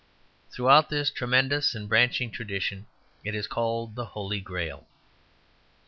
Throughout this tremendous and branching tradition it is called the Holy Grail.